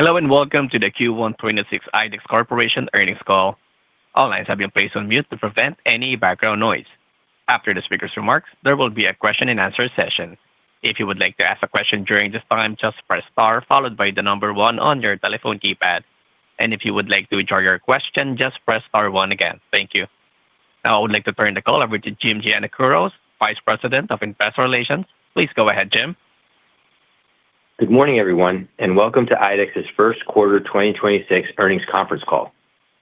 Hello, welcome to the Q1 2026 IDEX Corporation earnings call. All lines have been placed on mute to prevent any background noise. After the speaker's remarks, there will be a question and answer session. If you would like to ask a question during this time, just press star followed by one on your telephone keypad. If you would like to withdraw your question, just press star one again. Thank you. Now I would like to turn the call over to Jim Giannakouros, Vice President of Investor Relations. Please go ahead, Jim. Good morning, everyone, and welcome to IDEX's first quarter 2026 earnings conference call.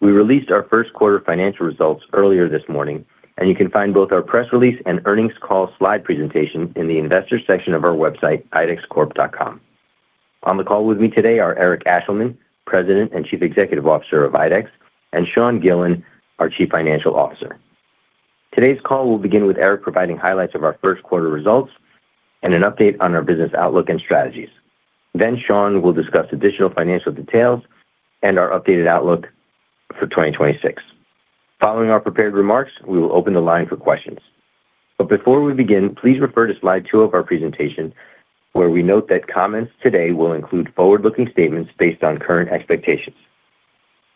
We released our first quarter financial results earlier this morning, and you can find both our press release and earnings call slide presentation in the Investor Section of our website, idexcorp.com. On the call with me today are Eric Ashleman, President and Chief Executive Officer of IDEX, and Sean Gillen, our Chief Financial Officer. Today's call will begin with Eric providing highlights of our first quarter results and an update on our business outlook and strategies. Sean will discuss additional financial details and our updated outlook for 2026. Following our prepared remarks, we will open the line for questions. Before we begin, please refer to slide two of our presentation, where we note that comments today will include forward-looking statements based on current expectations.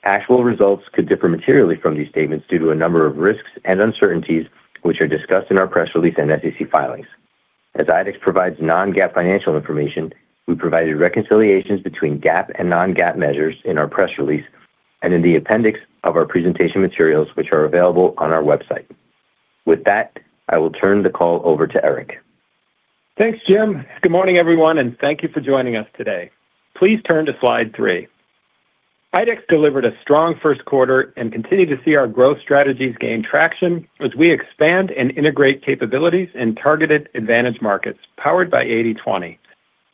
Actual results could differ materially from these statements due to a number of risks and uncertainties, which are discussed in our press release and SEC filings. As IDEX provides non-GAAP financial information, we provided reconciliations between GAAP and non-GAAP measures in our press release and in the appendix of our presentation materials, which are available on our website. With that, I will turn the call over to Eric. Thanks, Jim. Good morning, everyone, and thank you for joining us today. Please turn to slide three. IDEX delivered a strong first quarter and continue to see our growth strategies gain traction as we expand and integrate capabilities in targeted advantage markets powered by 80/20.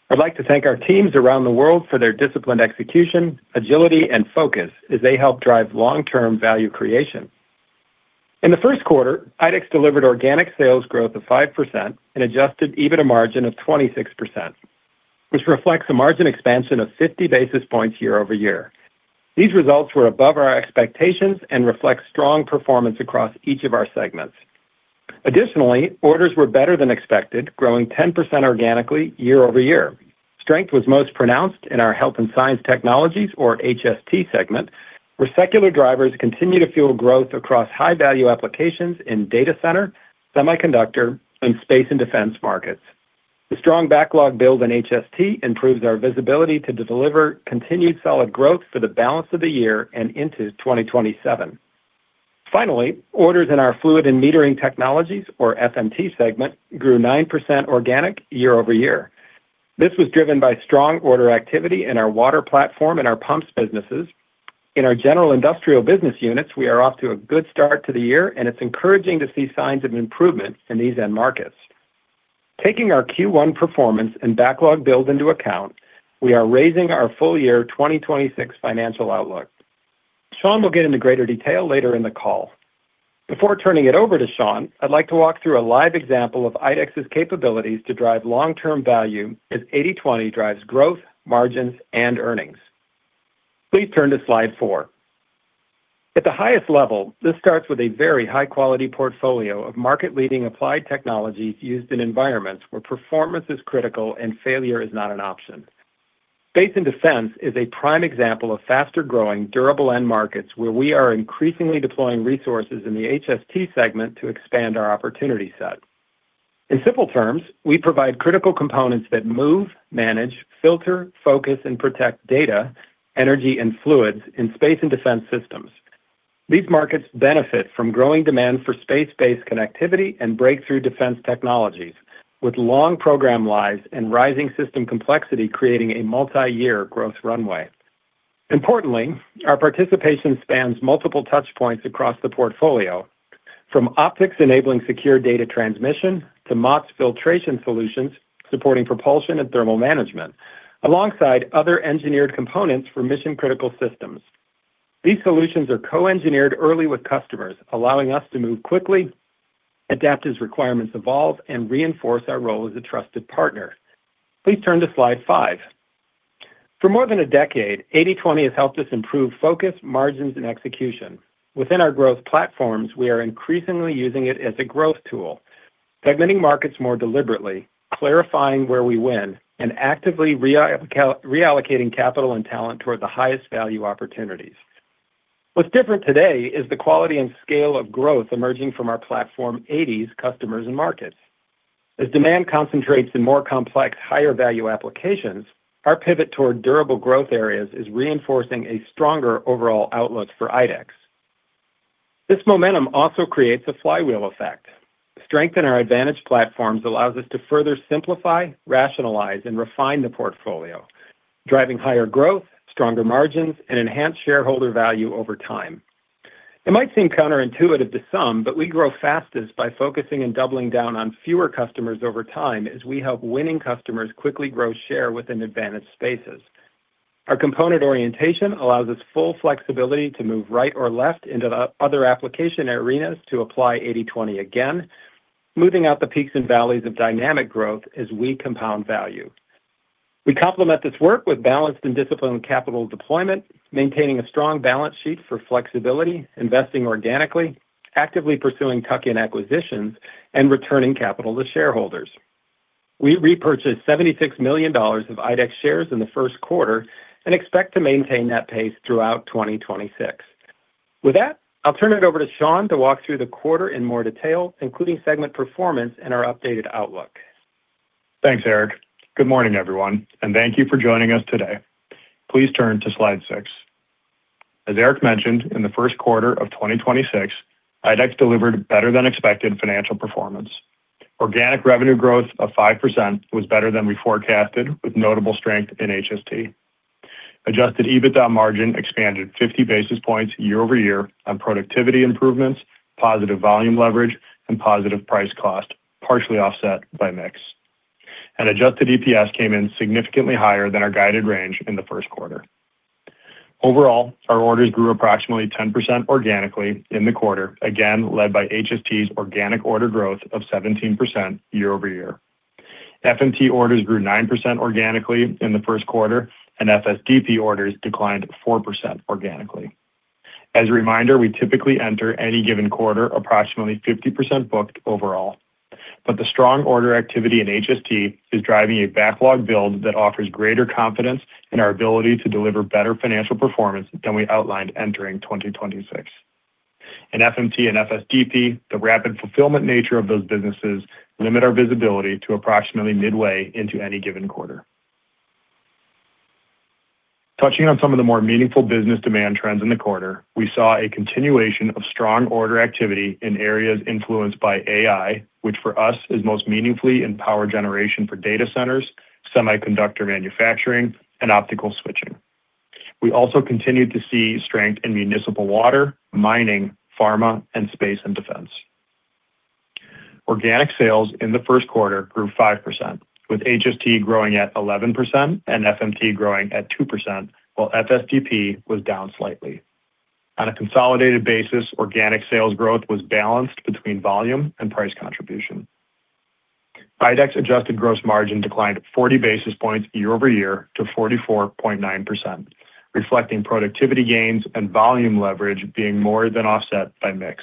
I'd like to thank our teams around the world for their disciplined execution, agility, and focus as they help drive long-term value creation. In the first quarter, IDEX delivered organic sales growth of 5% and adjusted EBITDA margin of 26%, which reflects a margin expansion of 50 basis points year-over-year. These results were above our expectations and reflect strong performance across each of our segments. Additionally, orders were better than expected, growing 10% organically year-over-year. Strength was most pronounced in our Health & Science Technologies or HST segment, where secular drivers continue to fuel growth across high-value applications in data center, semiconductor, and space and defense markets. The strong backlog build in HST improves our visibility to deliver continued solid growth for the balance of the year and into 2027. Finally, orders in our Fluid & Metering Technologies or FMT segment grew 9% organic year-over-year. This was driven by strong order activity in our water platform and our pumps businesses. In our general industrial business units, we are off to a good start to the year, and it's encouraging to see signs of improvement in these end markets. Taking our Q1 performance and backlog build into account, we are raising our full year 2026 financial outlook. Sean will get into greater detail later in the call. Before turning it over to Sean, I'd like to walk through a live example of IDEX's capabilities to drive long-term value as 80/20 drives growth, margins, and earnings. Please turn to slide four. At the highest level, this starts with a very high-quality portfolio of market-leading applied technologies used in environments where performance is critical and failure is not an option. Space and defense is a prime example of faster-growing, durable end markets where we are increasingly deploying resources in the HST segment to expand our opportunity set. In simple terms, we provide critical components that move, manage, filter, focus, and protect data, energy, and fluids in space and defense systems. These markets benefit from growing demand for space-based connectivity and breakthrough defense technologies with long program lives and rising system complexity creating a multiyear growth runway. Importantly, our participation spans multiple touch points across the portfolio from optics enabling secure data transmission to Mott filtration solutions, supporting propulsion and thermal management alongside other engineered components for mission-critical systems. These solutions are co-engineered early with customers, allowing us to move quickly, adapt as requirements evolve, and reinforce our role as a trusted partner. Please turn to slide five. For more than a decade, 80/20 has helped us improve focus, margins, and execution. Within our growth platforms, we are increasingly using it as a growth tool, segmenting markets more deliberately, clarifying where we win, and actively reallocating capital and talent toward the highest value opportunities. What's different today is the quality and scale of growth emerging from our platform 80's customers and markets. As demand concentrates in more complex, higher-value applications, our pivot toward durable growth areas is reinforcing a stronger overall outlook for IDEX. This momentum also creates a flywheel effect. Strength in our advantage platforms allows us to further simplify, rationalize, and refine the portfolio, driving higher growth, stronger margins, and enhance shareholder value over time. It might seem counterintuitive to some, but we grow fastest by focusing and doubling down on fewer customers over time as we help winning customers quickly grow share within advantage spaces. Our component orientation allows us full flexibility to move right or left into other application arenas to apply 80/20 again, smoothing out the peaks and valleys of dynamic growth as we compound value. We complement this work with balanced and disciplined capital deployment, maintaining a strong balance sheet for flexibility, investing organically, actively pursuing tuck-in acquisitions, and returning capital to shareholders. We repurchased $76 million of IDEX shares in the first quarter and expect to maintain that pace throughout 2026. With that, I'll turn it over to Sean to walk through the quarter in more detail, including segment performance and our updated outlook. Thanks, Eric. Good morning, everyone, and thank you for joining us today. Please turn to slide six. As Eric mentioned, in the first quarter of 2026, IDEX delivered better than expected financial performance. Organic revenue growth of 5% was better than we forecasted with notable strength in HST. Adjusted EBITDA margin expanded 50 basis points year-over-year on productivity improvements, positive volume leverage, and positive price cost, partially offset by mix. Adjusted EPS came in significantly higher than our guided range in the first quarter. Overall, our orders grew approximately 10% organically in the quarter, again led by HST's organic order growth of 17% year-over-year. FMT orders grew 9% organically in the first quarter, and FSDP orders declined 4% organically. As a reminder, we typically enter any given quarter approximately 50% booked overall. The strong order activity in HST is driving a backlog build that offers greater confidence in our ability to deliver better financial performance than we outlined entering 2026. In FMT and FSDP, the rapid fulfillment nature of those businesses limit our visibility to approximately midway into any given quarter. Touching on some of the more meaningful business demand trends in the quarter, we saw a continuation of strong order activity in areas influenced by AI, which for us is most meaningfully in power generation for data centers, semiconductor manufacturing, and optical switching. We also continued to see strength in municipal water, mining, pharma, and space and defense. Organic sales in the first quarter grew 5%, with HST growing at 11% and FMT growing at 2%, while FSDP was down slightly. On a consolidated basis, organic sales growth was balanced between volume and price contribution. IDEX adjusted gross margin declined 40 basis points year-over-year to 44.9%, reflecting productivity gains and volume leverage being more than offset by mix.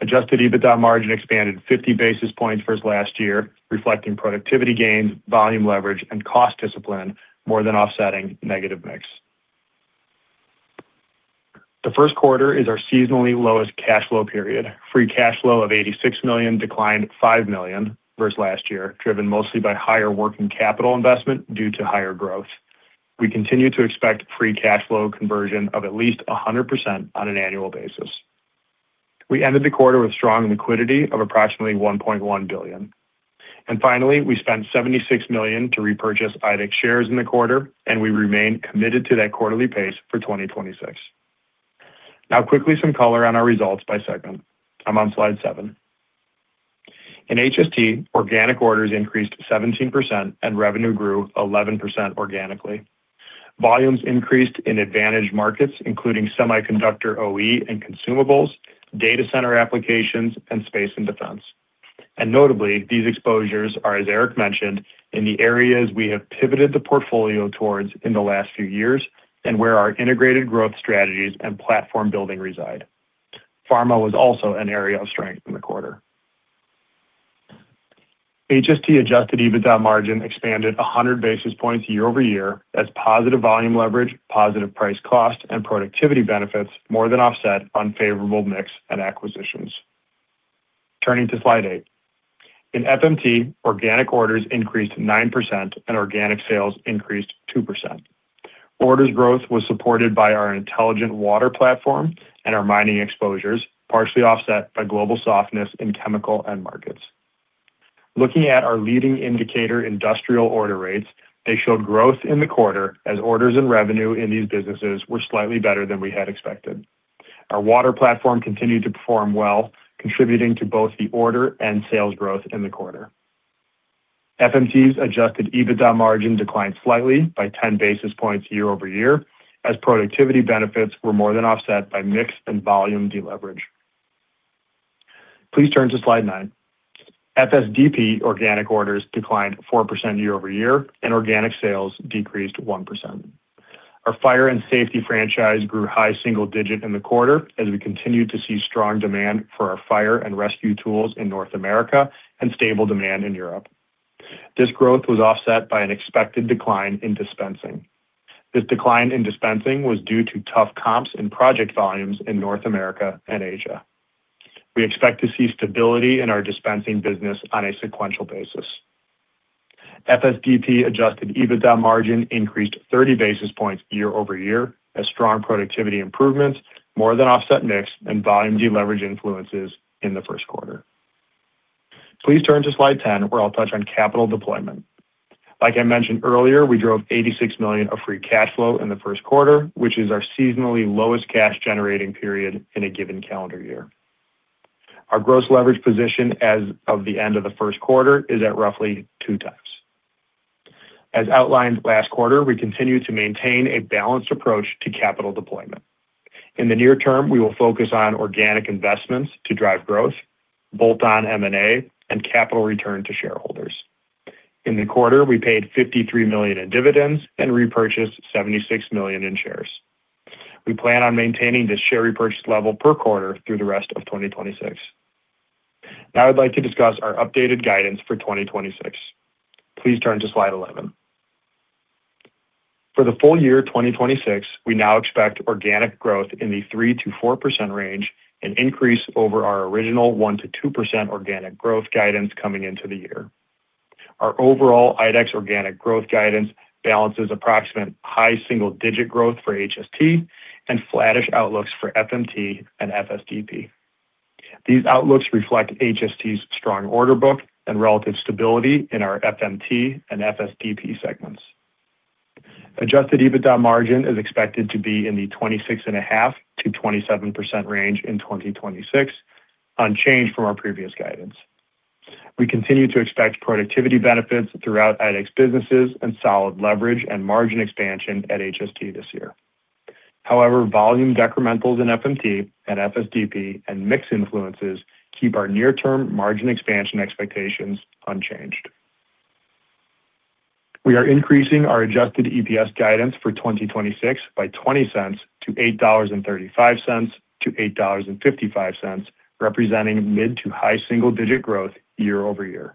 Adjusted EBITDA margin expanded 50 basis points versus last year, reflecting productivity gains, volume leverage, and cost discipline more than offsetting negative mix. The first quarter is our seasonally lowest cash flow period. Free cash flow of $86 million declined $5 million versus last year, driven mostly by higher working capital investment due to higher growth. We continue to expect free cash flow conversion of at least 100% on an annual basis. Finally, we ended the quarter with strong liquidity of approximately $1.1 billion. Finally, we spent $76 million to repurchase IDEX shares in the quarter, and we remain committed to that quarterly pace for 2026. Now quickly, some color on our results by segment. I'm on slide seven. In HST, organic orders increased 17% and revenue grew 11% organically. Volumes increased in advantage markets, including semiconductor OE and consumables, data center applications, and space and defense. Notably, these exposures are, as Eric mentioned, in the areas we have pivoted the portfolio towards in the last few years and where our integrated growth strategies and platform building reside. Pharma was also an area of strength in the quarter. HST adjusted EBITDA margin expanded 100 basis points year-over-year as positive volume leverage, positive price cost, and productivity benefits more than offset unfavorable mix and acquisitions. Turning to slide eight. In FMT, organic orders increased 9% and organic sales increased 2%. Orders growth was supported by our intelligent water platform and our mining exposures, partially offset by global softness in chemical end markets. Looking at our leading indicator industrial order rates, they showed growth in the quarter as orders and revenue in these businesses were slightly better than we had expected. Our water platform continued to perform well, contributing to both the order and sales growth in the quarter. FMT's adjusted EBITDA margin declined slightly by 10 basis points year-over-year as productivity benefits were more than offset by mix and volume deleverage. Please turn to slide nine. FSDP organic orders declined 4% year-over-year, and organic sales decreased 1%. Our Fire & Safety franchise grew high single digit in the quarter as we continued to see strong demand for our fire and rescue tools in North America and stable demand in Europe. This growth was offset by an expected decline in dispensing. This decline in dispensing was due to tough comps in project volumes in North America and Asia. We expect to see stability in our dispensing business on a sequential basis. FSDP adjusted EBITDA margin increased 30 basis points year over year as strong productivity improvements more than offset mix and volume deleverage influences in the first quarter. Please turn to slide 10, where I'll touch on capital deployment. Like I mentioned earlier, I drove $86 million of free cash flow in the first quarter, which is our seasonally lowest cash-generating period in a given calendar year. Our gross leverage position as of the end of the first quarter is at roughly two times. As outlined last quarter, we continue to maintain a balanced approach to capital deployment. In the near term, we will focus on organic investments to drive growth, bolt-on M&A, and capital return to shareholders. In the quarter, we paid $53 million in dividends and repurchased $76 million in shares. We plan on maintaining the share repurchase level per quarter through the rest of 2026. I'd like to discuss our updated guidance for 2026. Please turn to slide 11. For the full year 2026, we now expect organic growth in the 3%-4% range, an increase over our original 1%-2% organic growth guidance coming into the year. Our overall IDEX organic growth guidance balances approximate high single-digit growth for HST and flattish outlooks for FMT and FSDP. These outlooks reflect HST's strong order book and relative stability in our FMT and FSDP segments. Adjusted EBITDA margin is expected to be in the 26.5%-27% range in 2026, unchanged from our previous guidance. We continue to expect productivity benefits throughout IDEX businesses and solid leverage and margin expansion at HST this year. However, volume decrementals in FMT and FSDP and mix influences keep our near-term margin expansion expectations unchanged. We are increasing our adjusted EPS guidance for 2026 by $0.20 to $8.35-$8.55, representing mid to high single-digit growth year-over-year.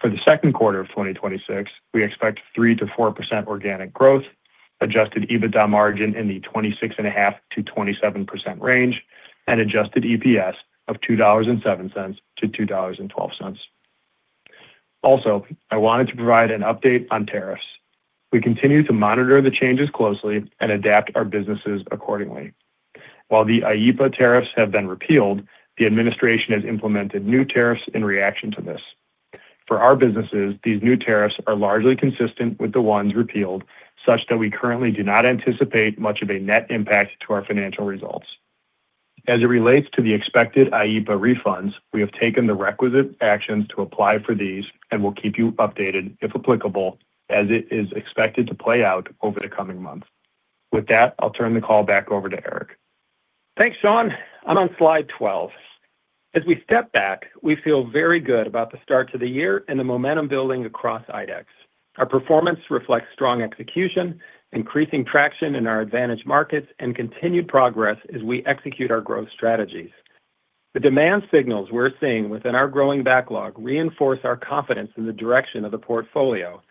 For the second quarter of 2026, we expect 3%-4% organic growth, adjusted EBITDA margin in the 26.5%-27% range, and adjusted EPS of $2.07-$2.12. Also, I wanted to provide an update on tariffs. We continue to monitor the changes closely and adapt our businesses accordingly. While the IEEPA tariffs have been repealed, the administration has implemented new tariffs in reaction to this. For our businesses, these new tariffs are largely consistent with the ones repealed, such that we currently do not anticipate much of a net impact to our financial results. As it relates to the expected IEEPA refunds, we have taken the requisite actions to apply for these and will keep you updated, if applicable, as it is expected to play out over the coming months. With that, I'll turn the call back over to Eric. Thanks, Sean. I'm on slide 12. As we step back, we feel very good about the start to the year and the momentum building across IDEX. Our performance reflects strong execution, increasing traction in our advantage markets, and continued progress as we execute our growth strategies. The demand signals we're seeing within our growing backlog reinforce our confidence in the direction of the portfolio.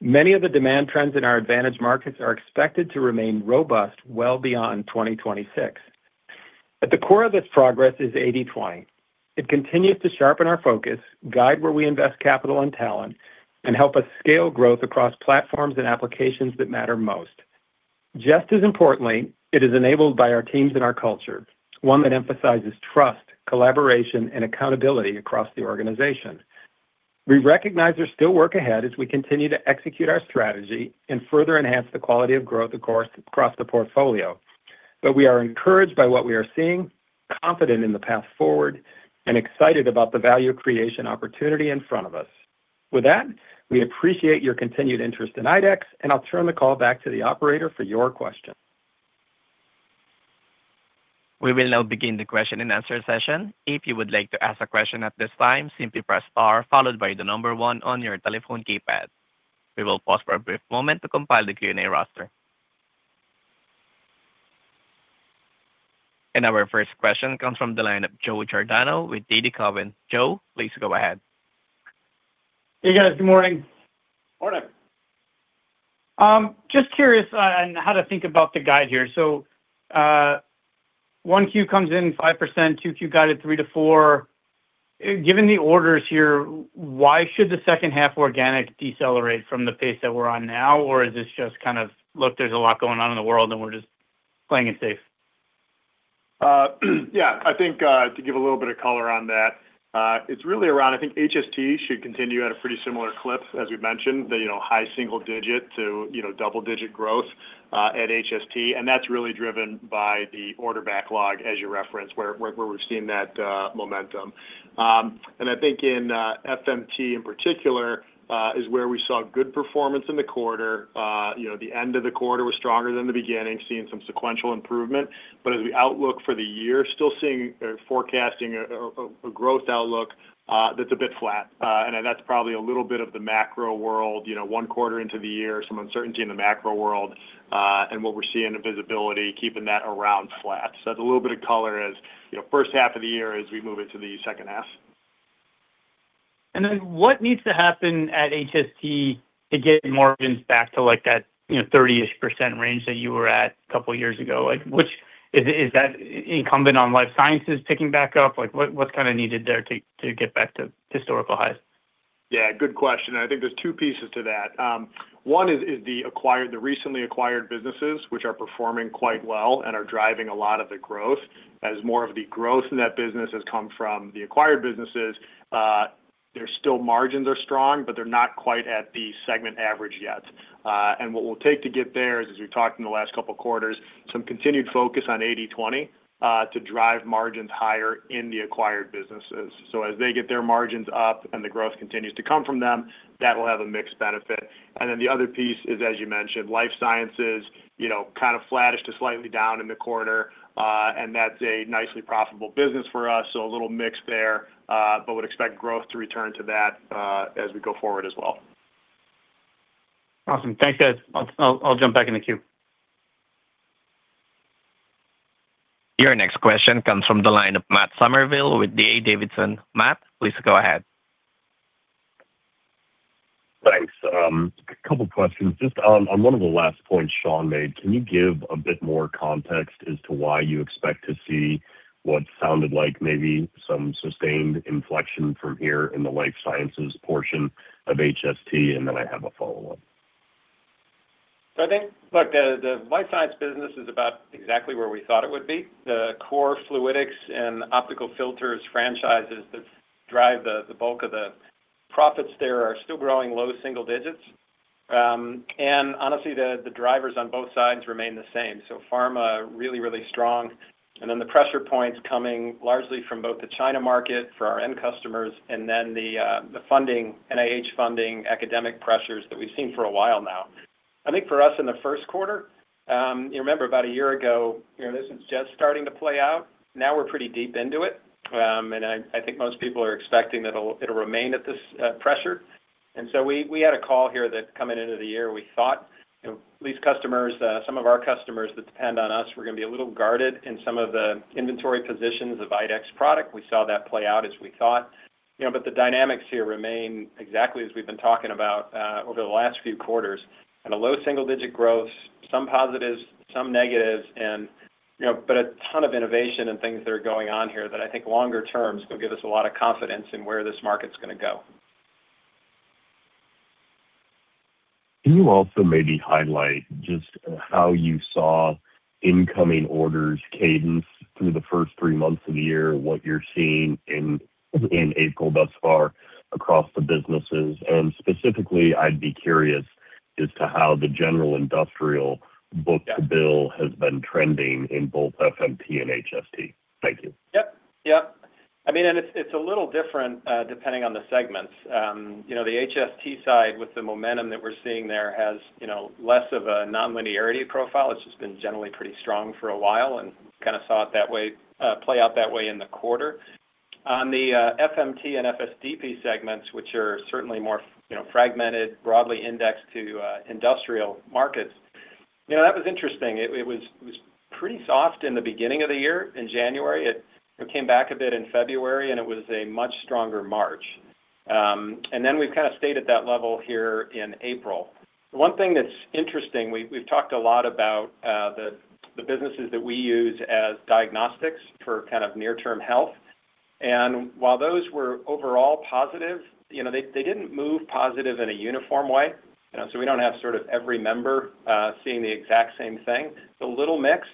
Many of the demand trends in our advantage markets are expected to remain robust well beyond 2026. At the core of this progress is 80/20. It continues to sharpen our focus, guide where we invest capital and talent, and help us scale growth across platforms and applications that matter most. Just as importantly, it is enabled by our teams and our culture, one that emphasizes trust, collaboration, and accountability across the organization. We recognize there's still work ahead as we continue to execute our strategy and further enhance the quality of growth across the portfolio. We are encouraged by what we are seeing, confident in the path forward, and excited about the value creation opportunity in front of us. With that, we appreciate your continued interest in IDEX, and I'll turn the call back to the operator for your questions. We will now begin the question and answer session. We will pause for a brief moment to compile the Q&A roster. Our first question comes from the line of Joe Giordano with TD Cowen. Joe, please go ahead. Hey, guys. Good morning. Morning. Just curious on how to think about the guide here. One Q comes in 5%, two Q guided 3%-4%. Given the orders here, why should the second half organic decelerate from the pace that we're on now? Is this just, "Look, there's a lot going on in the world, and we're just playing it safe"? I think HST should continue at a pretty similar clip as we've mentioned. High single-digit to double-digit growth at HST, and that's really driven by the order backlog, as you referenced, where we've seen that momentum. I think in FMT in particular is where we saw good performance in the quarter. The end of the quarter was stronger than the beginning, seeing some sequential improvement. As we outlook for the year, still seeing or forecasting a growth outlook that's a bit flat. That's probably a little bit of the macro world. You know, one quarter into the year, some uncertainty in the macro world, and what we're seeing, the visibility, keeping that around flat. That's a little bit of color as, you know, first half of the year as we move into the second half. What needs to happen at HST to get margins back to like that, you know, 30-ish percent range that you were at a couple years ago? Is that incumbent on life sciences picking back up? What's kind of needed there to get back to historical highs? Yeah, good question. I think there's two pieces to that. One is the recently acquired businesses, which are performing quite well and are driving a lot of the growth, as more of the growth in that business has come from the acquired businesses. Their still margins are strong, but they're not quite at the segment average yet. What we'll take to get there is, as we've talked in the last couple of quarters, some continued focus on 80/20, to drive margins higher in the acquired businesses. As they get their margins up and the growth continues to come from them, that will have a mixed benefit. Then the other piece is, as you mentioned, life sciences, you know, kind of flattish to slightly down in the quarter. That's a nicely profitable business for us, so a little mix there. Would expect growth to return to that, as we go forward as well. Awesome. Thanks, guys. I'll jump back in the queue. Your next question comes from the line of Matt Summerville with D.A. Davidson. Matt, please go ahead. Thanks. A couple questions. Just on one of the last points Sean made, can you give a bit more context as to why you expect to see what sounded like maybe some sustained inflection from here in the life sciences portion of HST? Then I have a follow-up. I think the life science business is about exactly where we thought it would be. The core Fluidics and Optical Filters franchises that drive the bulk of the profits there are still growing low single digits. Honestly, the drivers on both sides remain the same. Pharma, really strong. The pressure points coming largely from both the China market for our end customers and then the funding, NIH funding, academic pressures that we've seen for a while now. I think for us in the first quarter, you remember about a year ago, you know, this was just starting to play out. Now we're pretty deep into it. I think most people are expecting that it'll remain at this pressure. We had a call here that coming into the year, we thought, you know, these customers, some of our customers that depend on us were going to be a little guarded in some of the inventory positions of IDEX product. We saw that play out as we thought. You know, the dynamics here remain exactly as we've been talking about over the last few quarters. Kind of low single-digit growth, some positives, some negatives and, you know, but a ton of innovation and things that are going on here that I think longer term is going to give us a lot of confidence in where this market's going to go. Can you also maybe highlight just how you saw incoming orders cadence through the first three months of the year, what you're seeing in April thus far across the businesses? Specifically, I'd be curious as to how the general industrial book-to-bill has been trending in both FMT and HST. Thank you. Yep. Yep. I mean, it's a little different, depending on the segments. You know, the HST side with the momentum that we're seeing there has, you know, less of a non-linearity profile. It's just been generally pretty strong for a while kind of saw it that way play out that way in the quarter. On the FMT and FSDP segments, which are certainly more, you know, fragmented, broadly indexed to industrial markets. You know, that was interesting. It was pretty soft in the beginning of the year in January. It came back a bit in February, it was a much stronger March. We've kind of stayed at that level here in April. The one thing that's interesting, we've talked a lot about the businesses that we use as diagnostics for kind of near term health, while those were overall positive, you know, they didn't move positive in a uniform way. You know, we don't have sort of every member seeing the exact same thing. It's a little mixed.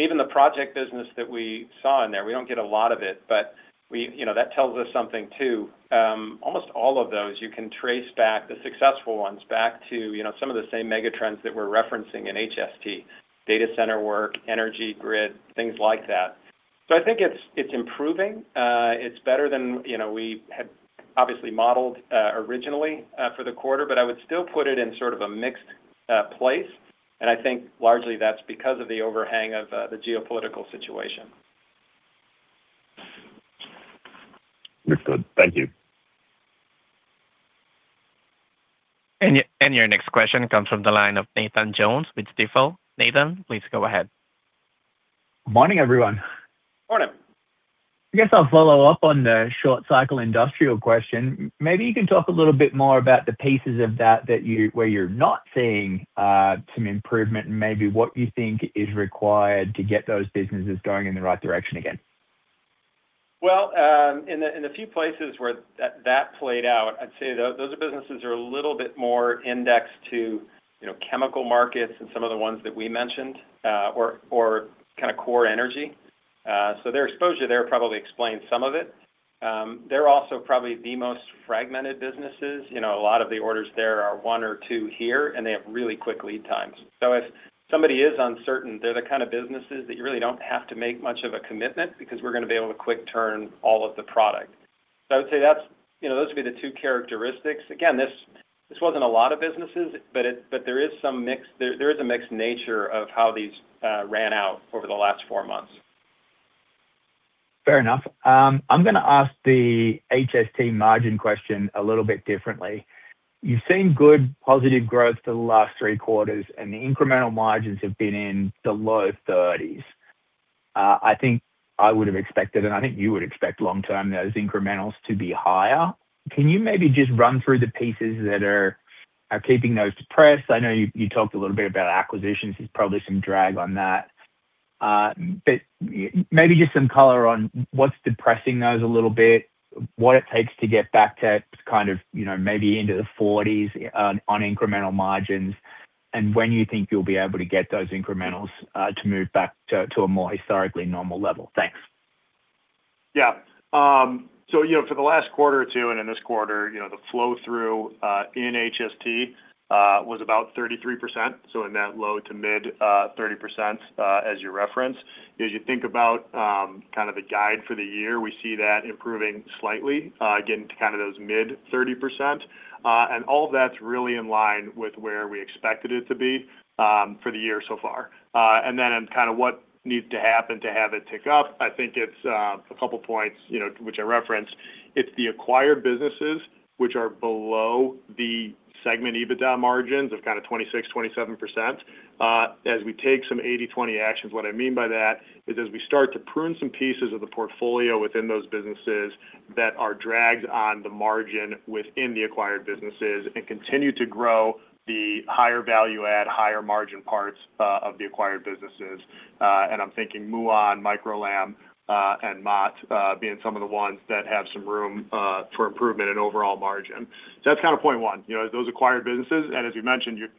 Even the project business that we saw in there, we don't get a lot of it, but we. You know, that tells us something too. Almost all of those you can trace back the successful ones back to, you know, some of the same mega trends that we're referencing in HST. Data center work, energy grid, things like that. I think it's improving. It's better than, you know, we had obviously modeled originally for the quarter, but I would still put it in sort of a mixed place, and I think largely that's because of the overhang of the geopolitical situation. Looks good. Thank you. Your next question comes from the line of Nathan Jones with Stifel. Nathan, please go ahead. Morning, everyone. Morning. I guess I'll follow up on the short cycle industrial question. Maybe you can talk a little bit more about the pieces of that that you where you're not seeing some improvement and maybe what you think is required to get those businesses going in the right direction again. Well, in the, in the few places where that played out, I'd say those businesses are a little bit more indexed to, you know, chemical markets and some of the ones that we mentioned, or kind of core energy. Their exposure there probably explains some of it. They're also probably the most fragmented businesses. You know, a lot of the orders there are one or two here, and they have really quick lead times. If somebody is uncertain, they're the kind of businesses that you really don't have to make much of a commitment because we're gonna be able to quick turn all of the product. I would say that's, you know, those would be the two characteristics. This wasn't a lot of businesses, but there is some mix, there is a mixed nature of how these ran out over the last four months. Fair enough. I'm gonna ask the HST margin question a little bit differently. You've seen good positive growth for the last three quarters, and the incremental margins have been in the low 30s%. I think I would have expected, and I think you would expect long-term those incrementals to be higher. Can you maybe just run through the pieces that are keeping those depressed? I know you talked a little bit about acquisitions. There's probably some drag on that. maybe just some color on what's depressing those a little bit, what it takes to get back to kind of, you know, maybe into the 40s% on incremental margins. When you think you'll be able to get those incrementals to move back to a more historically normal level. Thanks. Yeah. You know, for the last quarter or two and in this quarter, you know, the flow-through in HST was about 33%, so in that low- to mid-30%, as you referenced. As you think about kind of the guide for the year, we see that improving slightly, getting to kind of those mid-30%. All that's really in line with where we expected it to be for the year so far. Then in kind of what needs to happen to have it tick up, I think it's a couple points, you know, which I referenced. It's the acquired businesses which are below the segment EBITDA margins of kind of 26%-27%, as we take some 80/20 actions. What I mean by that is as we start to prune some pieces of the portfolio within those businesses that are dragged on the margin within the acquired businesses and continue to grow the higher value add, higher margin parts of the acquired businesses. I'm thinking Muon, Micro-LAM, and Mott being some of the ones that have some room for improvement in overall margin. That's kind of point one. You know, those acquired businesses,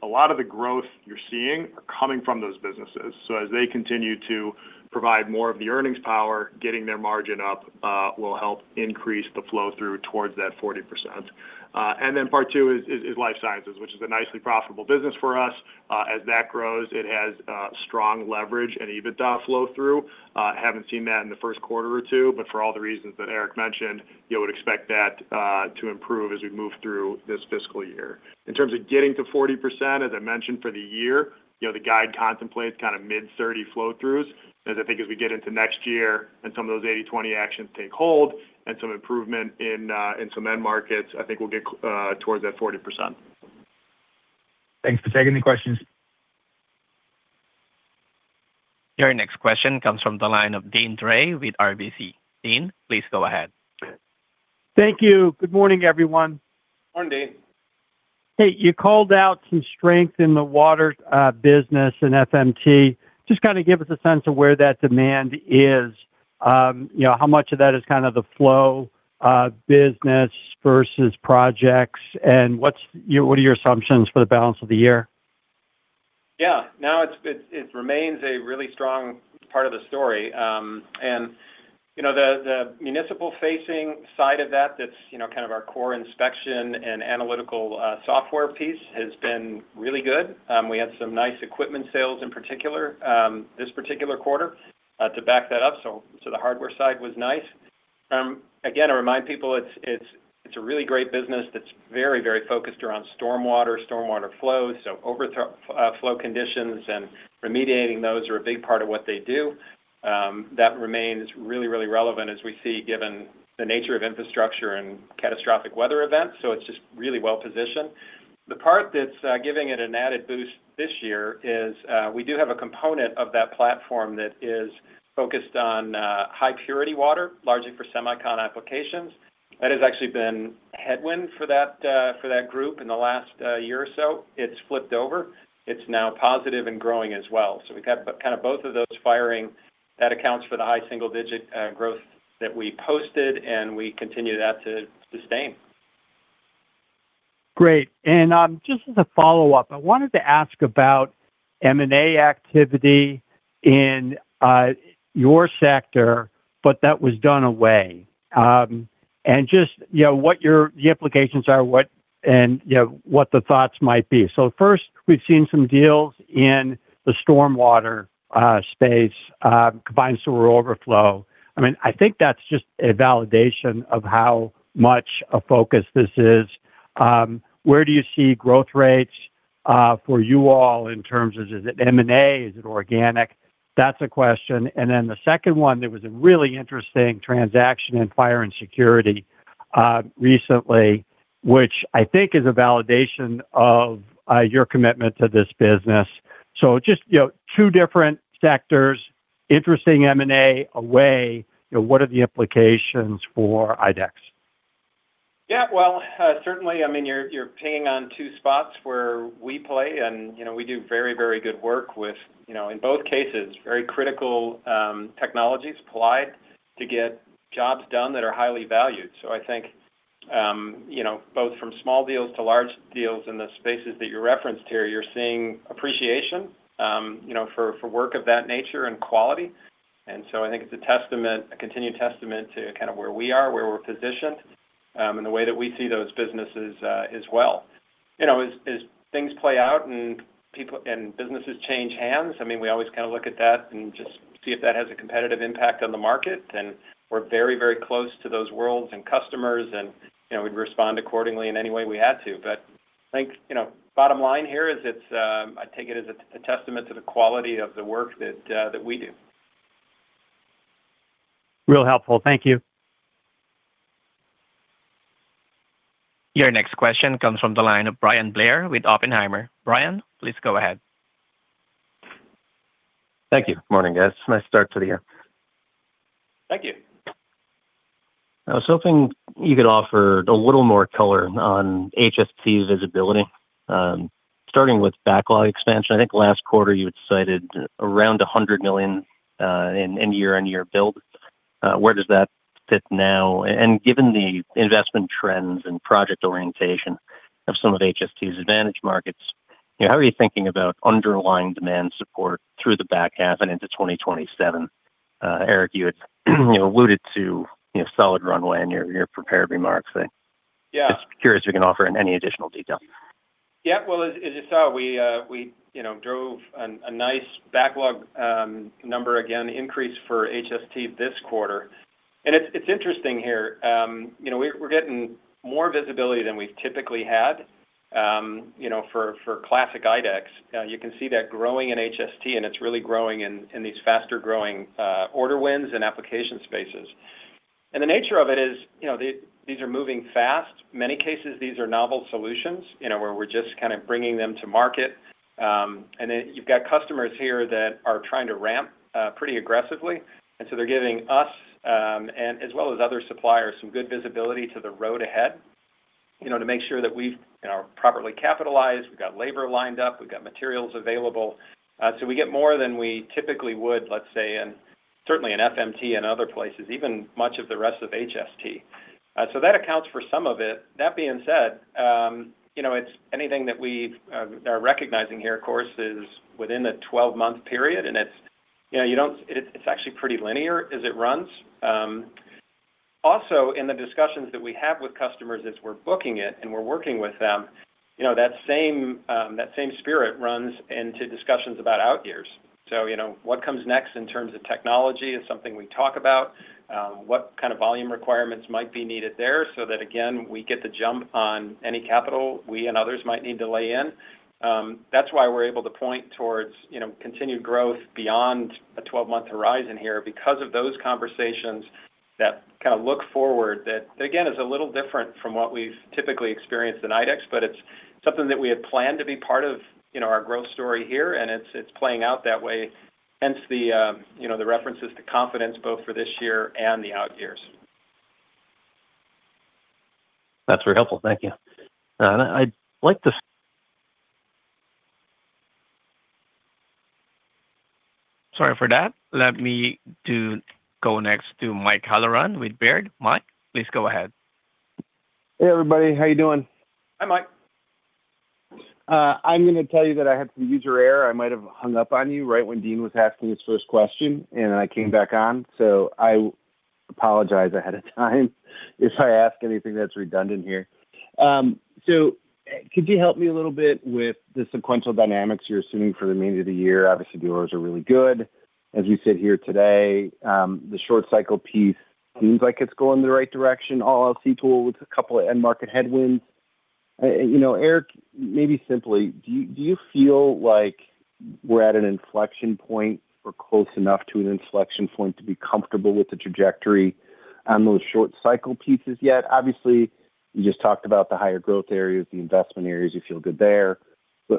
a lot of the growth you're seeing are coming from those businesses. As they continue to provide more of the earnings power, getting their margin up will help increase the flow-through towards that 40%. Then part two is life sciences, which is a nicely profitable business for us. As that grows, it has strong leverage and EBITDA flow-through. Haven't seen that in the first quarter or two, but for all the reasons that Eric mentioned, you would expect that to improve as we move through this fiscal year. In terms of getting to 40%, as I mentioned for the year, you know, the guide contemplates kind of mid-30% flow-throughs. I think as we get into next year and some of those 80/20 actions take hold and some improvement in some end markets, I think we'll get towards that 40%. Thanks for taking the questions. Your next question comes from the line of Deane Dray with RBC. Deane, please go ahead. Thank you. Good morning, everyone. Morning, Deane. Hey, you called out some strength in the water business in FMT. Just kind of give us a sense of where that demand is. You know, how much of that is kind of the flow business versus projects, and what are your assumptions for the balance of the year? No, it remains a really strong part of the story. You know, the municipal facing side of that's, you know, kind of our core inspection and analytical software piece has been really good. We had some nice equipment sales in particular, this particular quarter to back that up. The hardware side was nice. Again, to remind people, it's a really great business that's very focused around storm water, storm water flow. Flow conditions and remediating those are a big part of what they do. That remains really relevant as we see, given the nature of infrastructure and catastrophic weather events. It's just really well-positioned. The part that's, giving it an added boost this year is, we do have a component of that platform that is focused on, high purity water, largely for semicon applications. That has actually been headwind for that, for that group in the last, year or so. It's flipped over. It's now positive and growing as well. We've got kind of both of those firing. That accounts for the high single digit, growth that we posted, and we continue that to sustain. Great. Just as a follow-up, I wanted to ask about M&A activity in your sector, but that was done away. Just, you know, what the implications are and, you know, what the thoughts might be. We've seen some deals in the storm water space, combined sewer overflow. I mean, I think that's just a validation of how much a focus this is. Where do you see growth rates for you all in terms of is it M&A? Is it organic? That's a question. The second one, there was a really interesting transaction in fire and security recently, which I think is a validation of your commitment to this business. You know, two different sectors, interesting M&A away, you know, what are the implications for IDEX? Yeah. Well, certainly, I mean, you're pinging on two spots where we play and, you know, we do very, very good work with, you know, in both cases, very critical technologies applied to get jobs done that are highly valued. I think, you know, both from small deals to large deals in the spaces that you referenced here, you're seeing appreciation, you know, for work of that nature and quality. I think it's a testament, a continued testament to kind of where we are, where we're positioned, and the way that we see those businesses as well. You know, as things play out and businesses change hands, I mean, we always kind of look at that and just see if that has a competitive impact on the market. We're very close to those worlds and customers and, you know, we'd respond accordingly in any way we had to. I think, you know, bottom line here is it's, I take it as a testament to the quality of the work that we do. Real helpful. Thank you. Your next question comes from the line of Bryan Blair with Oppenheimer. Bryan, please go ahead. Thank you. Morning, guys. Nice start to the year. Thank you. I was hoping you could offer a little more color on HST visibility, starting with backlog expansion. I think last quarter you had cited around $100 million in year-on-year build. Given the investment trends and project orientation of some of HST's advantage markets, you know, how are you thinking about underlying demand support through the back half and into 2027? Eric, you had, you know, alluded to, you know, solid runway in your prepared remarks. Yeah. Just curious if you can offer any additional detail? Yeah. Well, as you saw, we, you know, drove a nice backlog number again increase for HST this quarter. It's interesting here. You know, we're getting more visibility than we've typically had, you know, for classic IDEX. You can see that growing in HST, and it's really growing in these faster-growing order wins and application spaces. The nature of it is, you know, these are moving fast. Many cases, these are novel solutions, you know, where we're just kind of bringing them to market. You've got customers here that are trying to ramp pretty aggressively. They're giving us, and as well as other suppliers, some good visibility to the road ahead, you know, to make sure that we've, you know, are properly capitalized. We've got labor lined up. We've got materials available. We get more than we typically would, let's say, in certainly in FMT and other places, even much of the rest of HST. That accounts for some of it. That being said, you know, it's anything that we've are recognizing here, of course, is within a 12-month period, and it's actually pretty linear as it runs. Also in the discussions that we have with customers as we're booking it and we're working with them, you know, that same, that same spirit runs into discussions about out years. You know, what comes next in terms of technology is something we talk about, what kind of volume requirements might be needed there so that, again, we get the jump on any capital we and others might need to lay in. That's why we're able to point towards, you know, continued growth beyond a 12-month horizon here because of those conversations that kind of look forward that, again, is a little different from what we've typically experienced in IDEX, but it's something that we had planned to be part of, you know, our growth story here, and it's playing out that way. Hence the, you know, the references to confidence both for this year and the out years. That's very helpful. Thank you. Sorry for that. Let me go next to Mike Halloran with Baird. Mike, please go ahead. Hey, everybody. How you doing? Hi, Mike. I'm gonna tell you that I had some user error. I might have hung up on you right when Deane was asking his first question, and I came back on. I apologize ahead of time if I ask anything that's redundant here. Could you help me a little bit with the sequential dynamics you're assuming for the remainder of the year? Obviously, the orders are really good. As we sit here today, the short cycle piece seems like it's going the right direction. All LC tools with a couple of end market headwinds. You know, Eric, maybe simply, do you feel like we're at an inflection point or close enough to an inflection point to be comfortable with the trajectory on those short cycle pieces yet? Obviously, you just talked about the higher growth areas, the investment areas, you feel good there.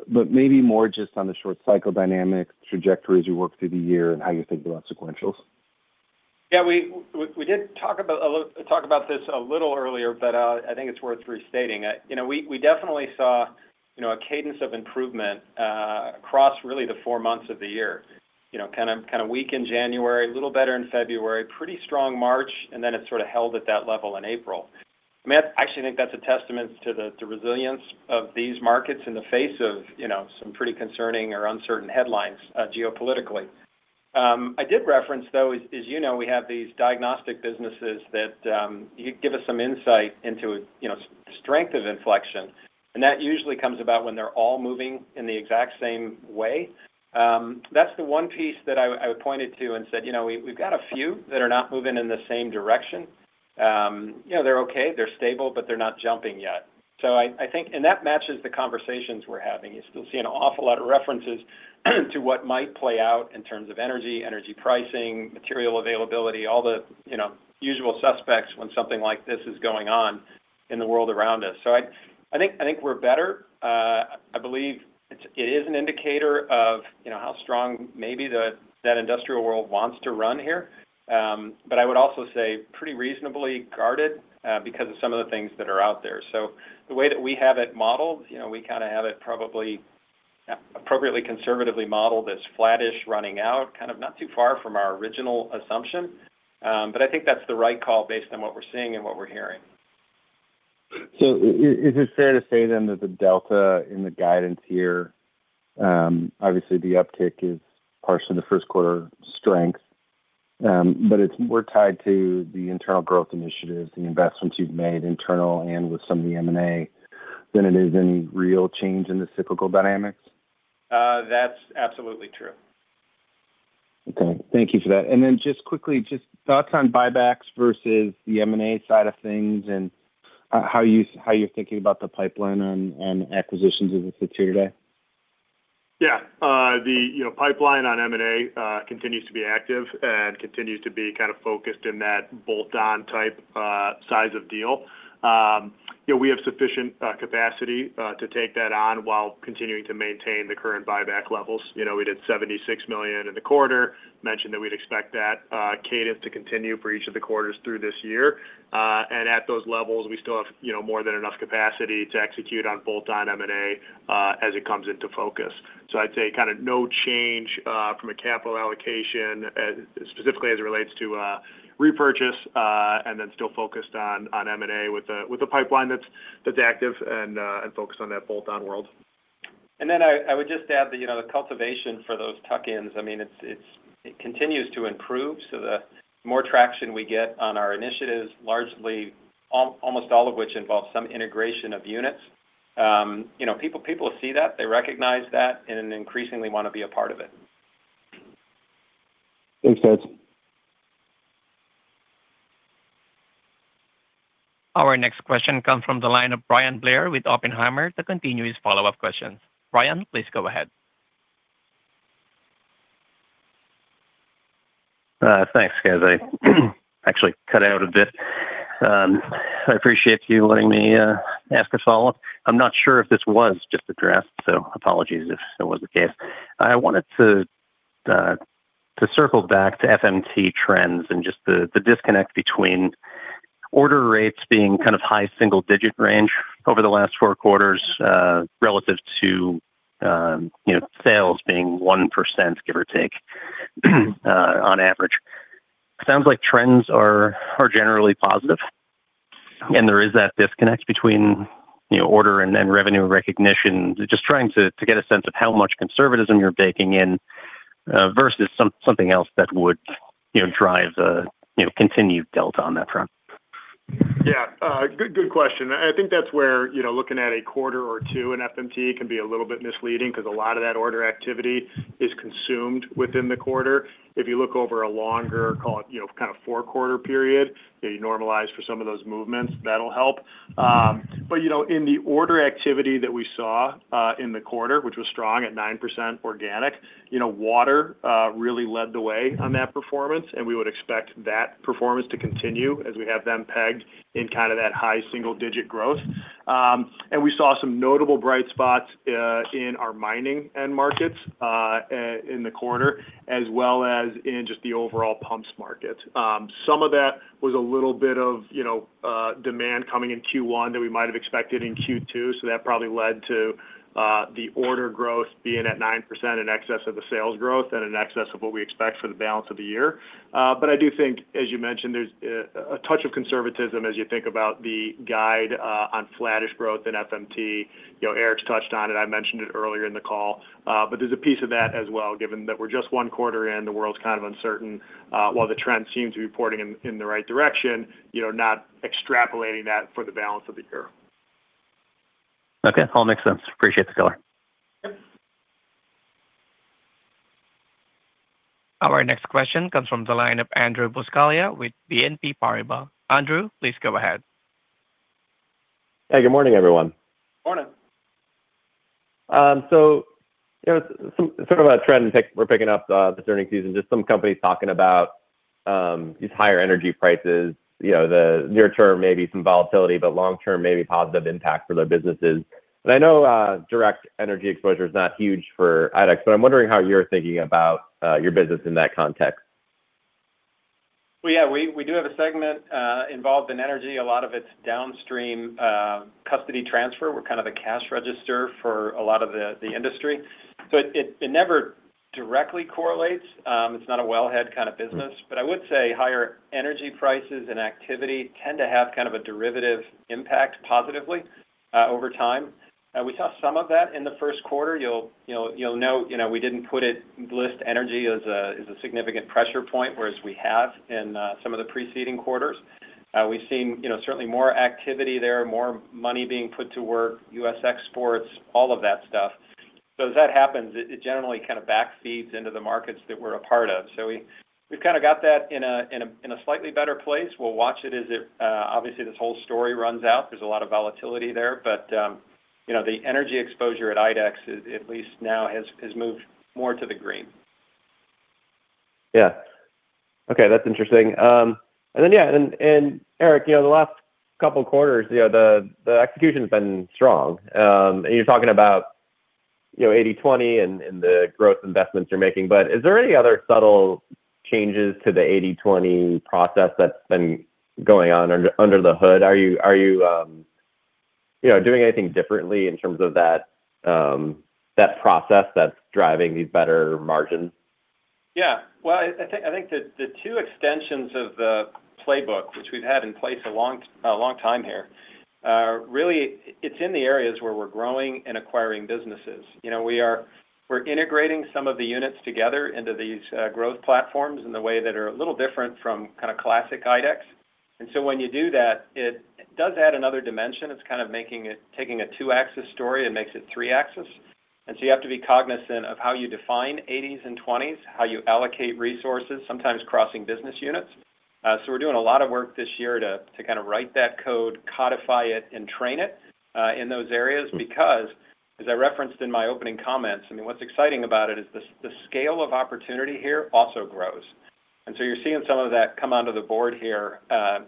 Maybe more just on the short cycle dynamic trajectories you worked through the year and how you think about sequentials. Yeah, we did talk about this a little earlier. I think it's worth restating. You know, we definitely saw, you know, a cadence of improvement across really the four months of the year. You know, kind of weak in January, a little better in February, pretty strong March, then it sort of held at that level in April. I mean, I actually think that's a testament to the resilience of these markets in the face of, you know, some pretty concerning or uncertain headlines geopolitically. I did reference, though, as you know, we have these diagnostic businesses that give us some insight into, you know, strength of inflection. That usually comes about when they're all moving in the exact same way. That's the one piece that I pointed to and said, "You know, we've got a few that are not moving in the same direction." You know, they're okay, they're stable, they're not jumping yet. That matches the conversations we're having. You still see an awful lot of references to what might play out in terms of energy pricing, material availability, all the, you know, usual suspects when something like this is going on in the world around us. I think we're better. I believe it is an indicator of, you know, how strong maybe that industrial world wants to run here. I would also say pretty reasonably guarded because of some of the things that are out there. The way that we have it modeled, you know, we kinda have it probably appropriately conservatively modeled as flattish running out, kind of not too far from our original assumption. I think that's the right call based on what we're seeing and what we're hearing. Is it fair to say then that the delta in the guidance here, obviously the uptick is partially the first quarter strength, but it's more tied to the internal growth initiatives, the investments you've made internal and with some of the M&A than it is any real change in the cyclical dynamics? That's absolutely true. Okay. Thank you for that. Just quickly, just thoughts on buybacks versus the M&A side of things, how you're thinking about the pipeline on acquisitions as it sits here today. The, you know, pipeline on M&A continues to be active and continues to be kind of focused in that bolt-on type size of deal. You know, we have sufficient capacity to take that on while continuing to maintain the current buyback levels. You know, we did $76 million in the quarter, mentioned that we'd expect that cadence to continue for each of the quarters through this year. At those levels, we still have, you know, more than enough capacity to execute on bolt-on M&A as it comes into focus. I'd say kind of no change from a capital allocation specifically as it relates to repurchase, and then still focused on M&A with a pipeline that's active and focused on that bolt-on world. I would just add that, you know, the cultivation for those tuck-ins, I mean, it continues to improve. The more traction we get on our initiatives, largely almost all of which involve some integration of units, you know, people see that, they recognize that, and increasingly wanna be a part of it. Thanks, guys. Our next question comes from the line of Bryan Blair with Oppenheimer to continue his follow-up questions. Bryan, please go ahead. Thanks, guys. I actually cut out a bit. I appreciate you letting me ask a follow-up. I'm not sure if this was just addressed, so apologies if it was the case. I wanted to circle back to FMT trends and just the disconnect between order rates being kind of high single-digit range over the last four quarters, relative to, you know, sales being 1%, give or take, on average. Sounds like trends are generally positive, and there is that disconnect between, you know, order and revenue recognition. Just trying to get a sense of how much conservatism you're baking in versus something else that would, you know, drive a, you know, continued delta on that front. Good question. I think that's where, you know, looking at a quarter or two in FMT can be a little bit misleading because a lot of that order activity is consumed within the quarter. If you look over a longer, call it, you know, kind of four-quarter period, you normalize for some of those movements, that'll help. You know, in the order activity that we saw in the quarter, which was strong at 9% organic, you know, water really led the way on that performance, and we would expect that performance to continue as we have them pegged in kind of that high single-digit growth. We saw some notable bright spots in our mining end markets in the quarter, as well as in just the overall pumps market. Some of that was a little bit of, you know, demand coming in Q1 that we might have expected in Q2, that probably led to the order growth being at 9% in excess of the sales growth and in excess of what we expect for the balance of the year. I do think, as you mentioned, there's a touch of conservatism as you think about the guide on flattish growth in FMT. You know, Eric's touched on it. I mentioned it earlier in the call. There's a piece of that as well, given that we're just one quarter in, the world's kind of uncertain. While the trend seems to be pointing in the right direction, you know, not extrapolating that for the balance of the year. Okay. All makes sense. Appreciate the color. Our next question comes from the line of Andrew Buscaglia with BNP Paribas. Andrew, please go ahead. Hey, good morning, everyone. Morning. There was some sort of a trend we're picking up this earnings season, just some companies talking about these higher energy prices. You know, the near term, maybe some volatility, long term, maybe positive impact for their businesses. I know direct energy exposure is not huge for IDEX, I'm wondering how you're thinking about your business in that context. Well, yeah, we do have a segment involved in energy. A lot of it's downstream, custody transfer. We're kind of the cash register for a lot of the industry. It never directly correlates. It's not a well head kind of business. I would say higher energy prices and activity tend to have kind of a derivative impact positively over time. We saw some of that in the first quarter. You'll, you know, you'll note, you know, we didn't list energy as a significant pressure point, whereas we have in some of the preceding quarters. We've seen, you know, certainly more activity there, more money being put to work, U.S. exports, all of that stuff. As that happens, it generally kind of back feeds into the markets that we're a part of. We've kind of got that in a slightly better place. We'll watch it as it, obviously, this whole story runs out. There's a lot of volatility there, but, you know, the energy exposure at IDEX at least now has moved more to the green. Yeah. Okay. That's interesting. Yeah, Eric, you know, the last couple quarters, you know, the execution's been strong. You're talking about, you know, 80/20 and the growth investments you're making, is there any other subtle changes to the 80/20 process that's been going on under the hood? Are you know, doing anything differently in terms of that process that's driving these better margins? Yeah. Well, I think the two extensions of the playbook, which we've had in place a long time here, really it's in the areas where we're growing and acquiring businesses. You know, we're integrating some of the units together into these growth platforms in the way that are a little different from kind of classic IDEX. When you do that, it does add another dimension. It's kind of making it taking a two-axis story and makes it three axis. You have to be cognizant of how you define 80s and 20s, how you allocate resources, sometimes crossing business units. We're doing a lot of work this year to kind of write that code, codify it, and train it in those areas. As I referenced in my opening comments, I mean, what's exciting about it is the scale of opportunity here also grows. You're seeing some of that come onto the board here.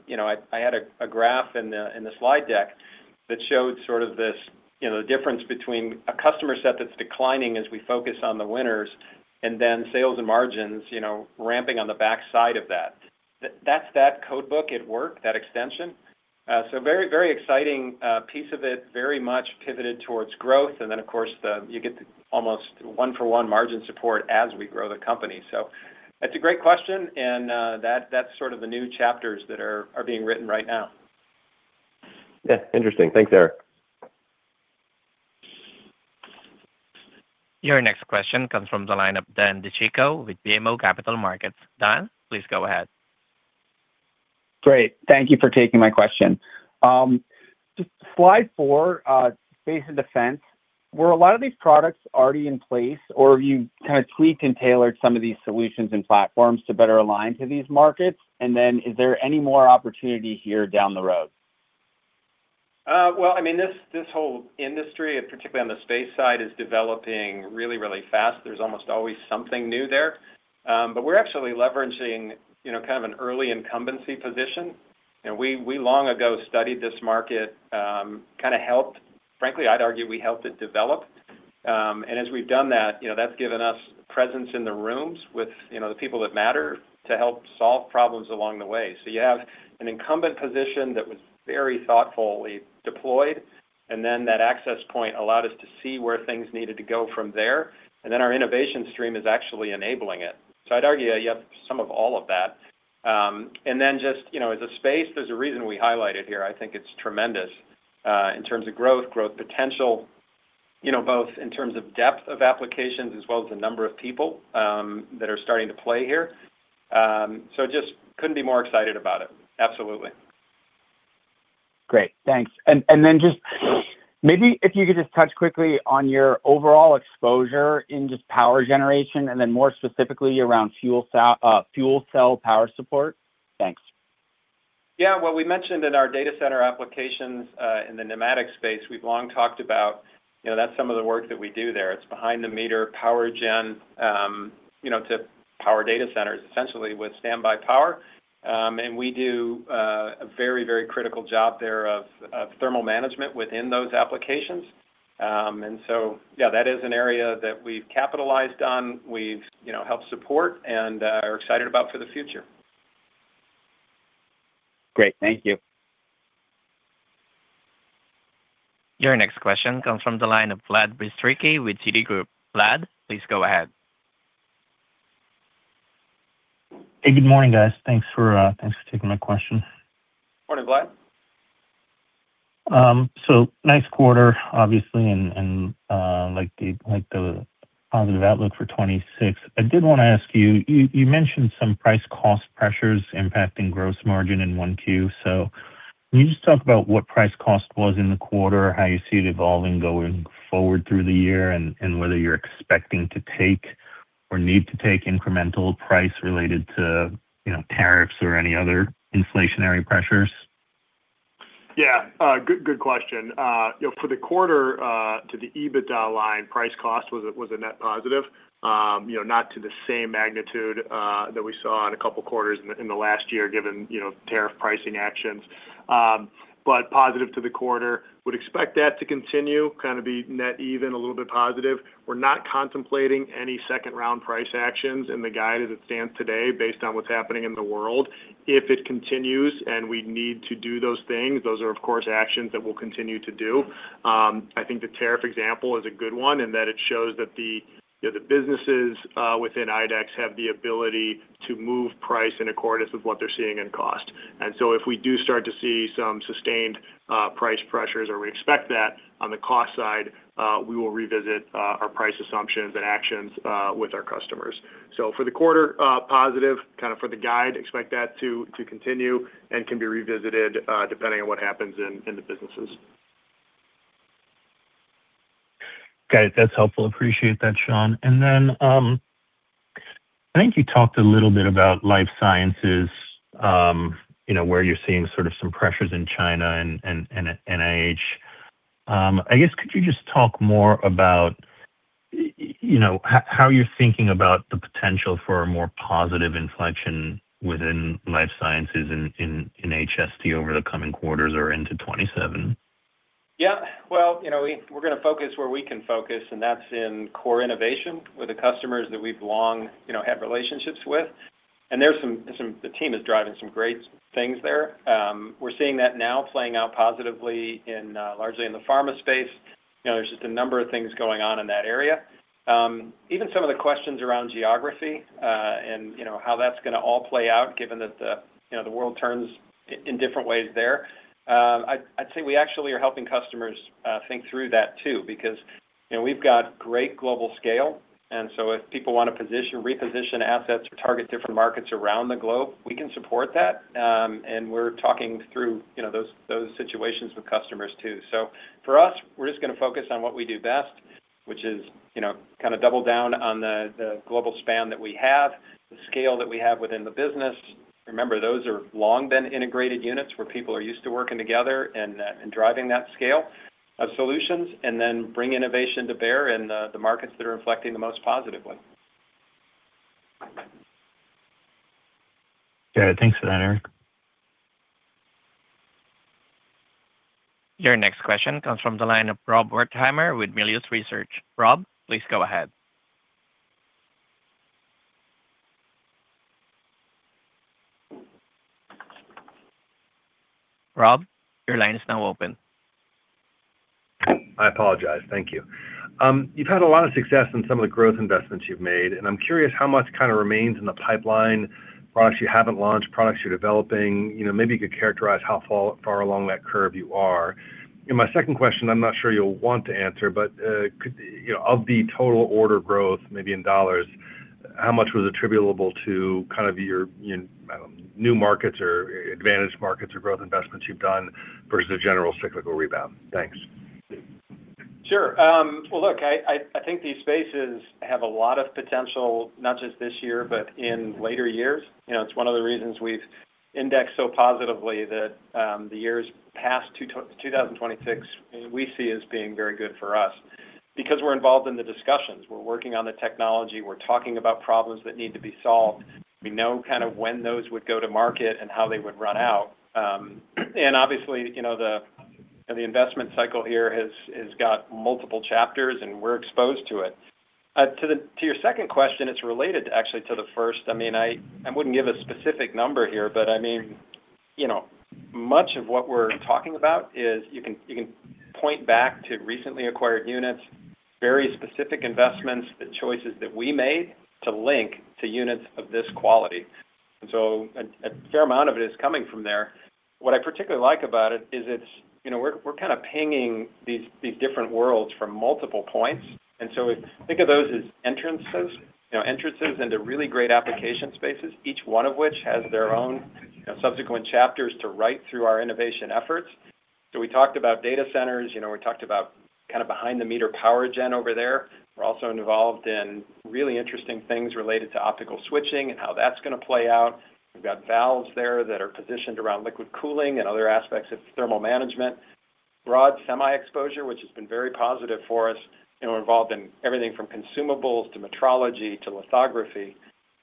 You know, I had a graph in the slide deck that showed sort of this, you know, difference between a customer set that's declining as we focus on the winners and then sales and margins, you know, ramping on the backside of that. That's that code book at work, that extension. Very, very exciting piece of it, very much pivoted towards growth. Of course, you get almost one-for-one margin support as we grow the company. That's a great question, and that's sort of the new chapters that are being written right now. Yeah. Interesting. Thanks, Eric. Your next question comes from the line of Dan DiCicco with BMO Capital Markets. Dan, please go ahead. Great. Thank you for taking my question. just slide four, space and defense, were a lot of these products already in place, or have you kind of tweaked and tailored some of these solutions and platforms to better align to these markets? Is there any more opportunity here down the road? Well, I mean, this whole industry, particularly on the space side, is developing really fast. There's almost always something new there. We're actually leveraging, you know, kind of an early incumbency position. You know, we long ago studied this market, kind of helped. Frankly, I'd argue we helped it develop. As we've done that, you know, that's given us presence in the rooms with, you know, the people that matter to help solve problems along the way. You have an incumbent position that was very thoughtfully deployed, and then that access point allowed us to see where things needed to go from there, and then our innovation stream is actually enabling it. I'd argue you have some of all of that. Then just, you know, as a space, there's a reason we highlight it here. I think it's tremendous in terms of growth potential, you know, both in terms of depth of applications as well as the number of people that are starting to play here. Just couldn't be more excited about it. Absolutely. Great. Thanks. Then just maybe if you could just touch quickly on your overall exposure in just power generation and then more specifically around fuel cell power support. Thanks. Yeah. Well, we mentioned in our data center applications, in the pneumatic space, we've long talked about, you know, that's some of the work that we do there. It's behind the meter power gen, you know, to power data centers essentially with standby power. We do a very, very critical job there of thermal management within those applications. Yeah, that is an area that we've capitalized on, we've, you know, helped support and are excited about for the future. Great. Thank you. Your next question comes from the line of Vlad Bystricky with Citigroup. Vlad, please go ahead. Hey, good morning, guys. Thanks for thanks for taking my question. Morning, Vlad. Nice quarter obviously and like the positive outlook for 2026. I did wanna ask you mentioned some price cost pressures impacting gross margin in one Q. Can you just talk about what price cost was in the quarter, how you see it evolving going forward through the year, and whether you're expecting to take or need to take incremental price related to, you know, tariffs or any other inflationary pressures? Yeah. Good question. You know, for the quarter, to the EBITDA line, price cost was a net positive. You know, not to the same magnitude that we saw in a couple quarters in the last year, given, you know, tariff pricing actions. Positive to the quarter, would expect that to continue, kind of be net even, a little bit positive. We're not contemplating any second-round price actions in the guide as it stands today based on what's happening in the world. If it continues, and we need to do those things, those are of course actions that we'll continue to do. I think the tariff example is a good one in that it shows that the, you know, the businesses within IDEX have the ability to move price in accordance with what they're seeing in cost. If we do start to see some sustained, price pressures, or we expect that on the cost side, we will revisit our price assumptions and actions with our customers. For the quarter, positive kind of for the guide, expect that to continue and can be revisited, depending on what happens in the businesses. Got it. That's helpful. Appreciate that, Sean. I think you talked a little bit about life sciences, you know, where you're seeing sort of some pressures in China and at NIH. I guess could you just talk more about, you know, how you're thinking about the potential for a more positive inflection within life sciences in HST over the coming quarters or into 2027? Yeah. Well, you know, we're gonna focus where we can focus. That's in core innovation with the customers that we've long, you know, had relationships with. There's some great things there. We're seeing that now playing out positively in largely in the pharma space. You know, there's just a number of things going on in that area. Even some of the questions around geography, you know, how that's gonna all play out given that the, you know, the world turns in different ways there. I'd say we actually are helping customers think through that too because, you know, we've got great global scale. So if people wanna reposition assets or target different markets around the globe, we can support that. We're talking through, you know, those situations with customers too. For us, we're just gonna focus on what we do best, which is, you know, kind of double down on the global span that we have, the scale that we have within the business. Remember, those have long been integrated units where people are used to working together and driving that scale of solutions, and then bring innovation to bear in the markets that are inflecting the most positively. Got it. Thanks for that, Eric. Your next question comes from the line of Rob Wertheimer with Melius Research. Rob, please go ahead. Rob, your line is now open. I apologize. Thank you. You've had a lot of success in some of the growth investments you've made, and I'm curious how much kind of remains in the pipeline, products you haven't launched, products you're developing. You know, maybe you could characterize how far along that curve you are. My second question, I'm not sure you'll want to answer, but you know, of the total order growth, maybe in dollars, how much was attributable to kind of your, you know, I don't know, new markets or advantage markets or growth investments you've done versus the general cyclical rebound? Thanks. Sure. Look, I think these spaces have a lot of potential, not just this year, but in later years. You know, it's one of the reasons we've indexed so positively that the years past 2026 we see as being very good for us because we're involved in the discussions. We're working on the technology. We're talking about problems that need to be solved. We know kind of when those would go to market and how they would run out. Obviously, you know, the investment cycle here has got multiple chapters, and we're exposed to it. To your second question, it's related actually to the first. I mean, I wouldn't give a specific number here, but I mean, you know, much of what we're talking about is you can point back to recently acquired units, very specific investments, the choices that we made to link to units of this quality. A fair amount of it is coming from there. What I particularly like about it is it's, you know, we're kind of pinging these different worlds from multiple points. We think of those as entrances. You know, entrances into really great application spaces, each one of which has their own, you know, subsequent chapters to write through our innovation efforts. We talked about data centers. You know, we talked about kind of behind the meter power gen over there. We're also involved in really interesting things related to optical switching and how that's gonna play out. We've got valves there that are positioned around liquid cooling and other aspects of thermal management. Broad semi exposure, which has been very positive for us. You know, involved in everything from consumables to metrology to lithography.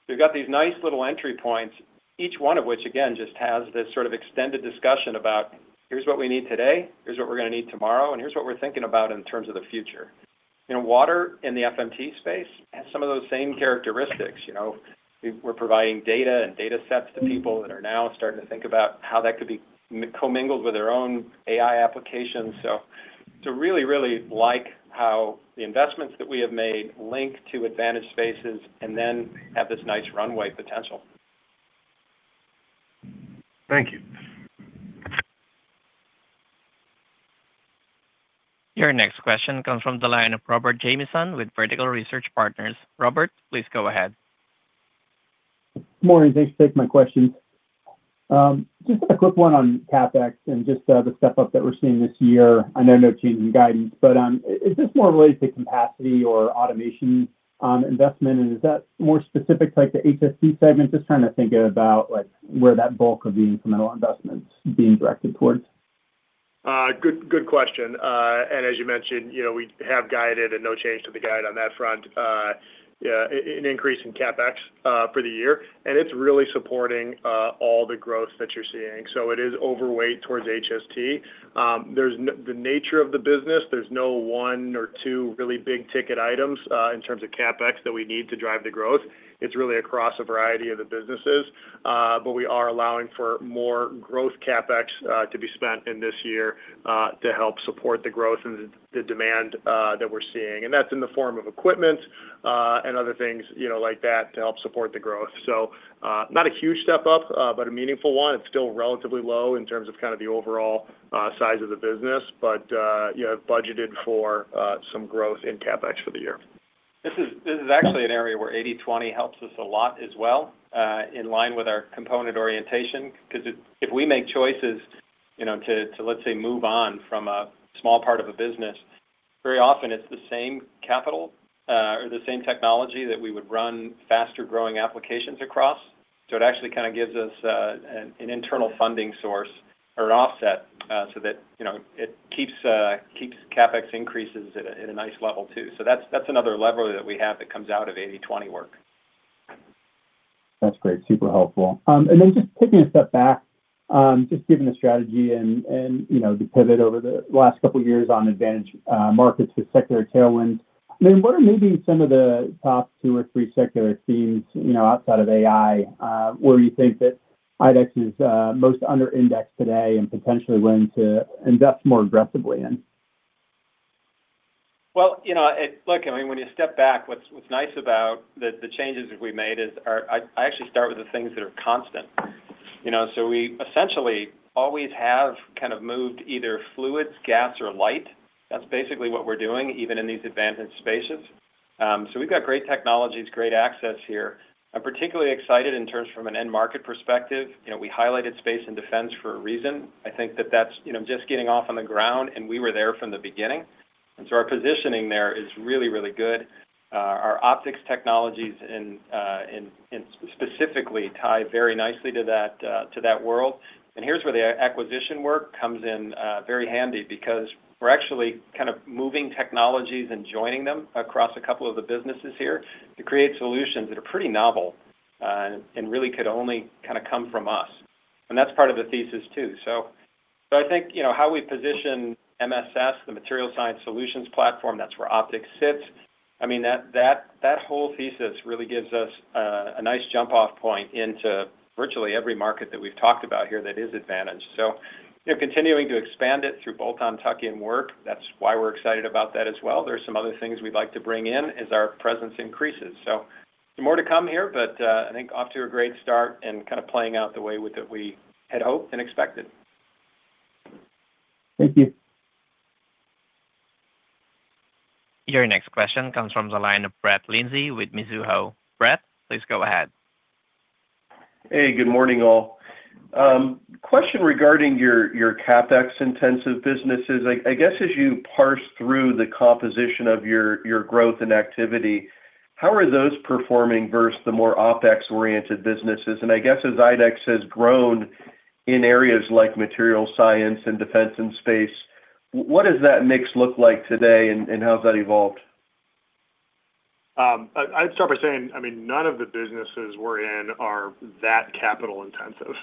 We've got these nice little entry points, each one of which again just has this sort of extended discussion about here's what we need today, here's what we're gonna need tomorrow, and here's what we're thinking about in terms of the future. You know, water in the FMT space has some of those same characteristics. You know, We're providing data and data sets to people that are now starting to think about how that could be commingled with their own AI applications. Really like how the investments that we have made link to advantage spaces and then have this nice runway potential. Thank you. Your next question comes from the line of Robert Jamieson with Vertical Research Partners. Robert, please go ahead. Morning. Thanks for taking my questions. Just a quick one on CapEx and just the step up that we're seeing this year. I know no change in guidance, but is this more related to capacity or automation investment? Is that more specific like the HST segment? Just trying to think about, like, where that bulk of the incremental investment's being directed towards. Good question. As you mentioned, you know, we have guided and no change to the guide on that front. An increase in CapEx for the year, it's really supporting all the growth that you're seeing. It is overweight towards HST. There's the nature of the business, there's no one or two really big ticket items in terms of CapEx that we need to drive the growth. It's really across a variety of the businesses, but we are allowing for more growth CapEx to be spent in this year to help support the growth and the demand that we're seeing. That's in the form of equipment and other things, you know, like that to help support the growth. Not a huge step up, but a meaningful one. It's still relatively low in terms of kind of the overall size of the business. You have budgeted for some growth in CapEx for the year. This is actually an area where 80/20 helps us a lot as well, in line with our component orientation. 'Cause if we make choices, you know, to, let's say, move on from a small part of a business, very often it's the same capital or the same technology that we would run faster-growing applications across. It actually kind of gives us an internal funding source or an offset so that, you know, it keeps CapEx increases at a nice level too. That's another lever that we have that comes out of 80/20 work. That's great. Super helpful. Just taking a step back, just given the strategy and, you know, the pivot over the last couple of years on advantage markets with secular tailwinds, I mean, what are maybe some of the top two or three secular themes, you know, outside of AI, where you think that IDEX is most under indexed today and potentially willing to invest more aggressively in? Well, you know, I mean, when you step back, what's nice about the changes that we made is I actually start with the things that are constant. You know, we essentially always have kind of moved either fluids, gas, or light. That's basically what we're doing, even in these advantage spaces. We've got great technologies, great access here. I'm particularly excited in terms from an end market perspective. You know, we highlighted space and defense for a reason. I think that's, you know, just getting off on the ground. We were there from the beginning. Our positioning there is really good. Our optics technologies in specifically tie very nicely to that world. Here's where the acquisition work comes in very handy because we're actually kind of moving technologies and joining them across a couple of the businesses here to create solutions that are pretty novel and really could only kind of come from us. That's part of the thesis too. I think, you know, how we position MSS, the Material Science Solutions platform, that's where optics sits. I mean, that whole thesis really gives us a nice jump off point into virtually every market that we've talked about here that is advantage. You know, continuing to expand it through bolt-on tuck-in work, that's why we're excited about that as well. There are some other things we'd like to bring in as our presence increases. Some more to come here, but I think off to a great start and kind of playing out the way that we had hoped and expected. Thank you. Your next question comes from the line of Brett Linzey with Mizuho. Brett, please go ahead. Hey, good morning all. Question regarding your CapEx intensive businesses. I guess as you parse through the composition of your growth and activity, how are those performing versus the more OpEx-oriented businesses? I guess as IDEX has grown in areas like material science and defense and space, what does that mix look like today and how has that evolved? I'd start by saying, I mean, none of the businesses we're in are that capital intensive.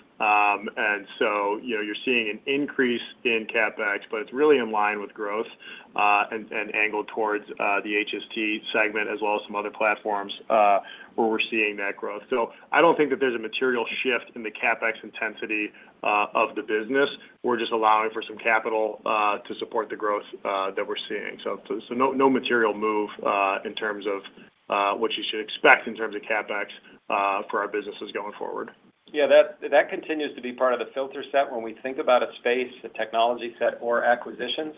So, you know, you're seeing an increase in CapEx, but it's really in line with growth, and angled towards the HST segment as well as some other platforms where we're seeing that growth. I don't think that there's a material shift in the CapEx intensity of the business. We're just allowing for some capital to support the growth that we're seeing. No, no material move in terms of what you should expect in terms of CapEx for our businesses going forward. Yeah, that continues to be part of the filter set when we think about a space, a technology set or acquisitions.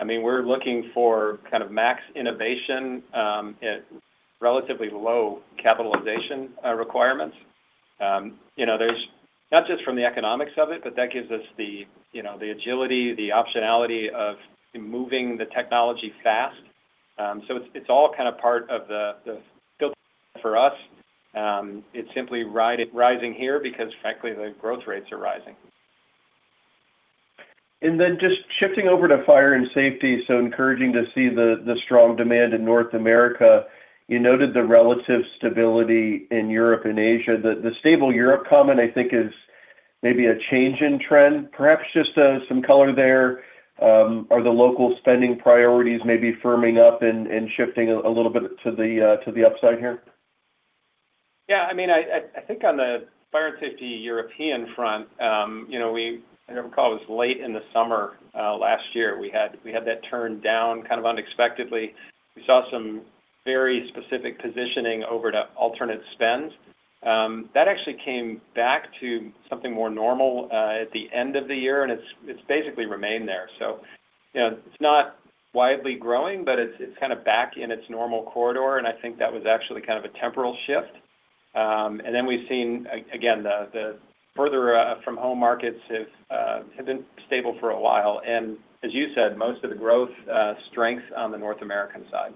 I mean, we're looking for kind of max innovation at relatively low capitalization requirements. You know, there's not just from the economics of it, but that gives us the, you know, the agility, the optionality of moving the technology fast. It's all kind of part of the filter for us. It's simply rising here because frankly, the growth rates are rising. Just shifting over to fire and safety, encouraging to see the strong demand in North America. You noted the relative stability in Europe and Asia. The stable Europe comment, I think, is maybe a change in trend. Perhaps just some color there. Are the local spending priorities maybe firming up and shifting a little bit to the upside here? I mean, I think on the fire and safety European front, you know, I remember call it was late in the summer, last year, we had that turn down kind of unexpectedly. We saw some very specific positioning over to alternate spends. That actually came back to something more normal, at the end of the year, and it's basically remained there. You know, it's not widely growing, but it's kind of back in its normal corridor, and I think that was actually kind of a temporal shift. And then we've seen again, the further from home markets have been stable for a while. As you said, most of the growth strength on the North American side.